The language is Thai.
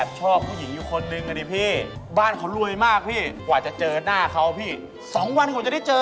โปรดติดตามตอนต่อแพ็ค